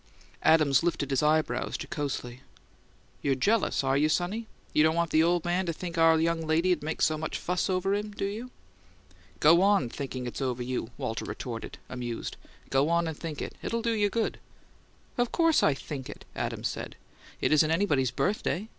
Adams lifted his eyebrows jocosely. "You're jealous, are you, sonny? You don't want the old man to think our young lady'd make so much fuss over him, do you?" "Go on thinkin' it's over you," Walter retorted, amused. "Go on and think it. It'll do you good." "Of course I'll think it," Adams said. "It isn't anybody's birthday.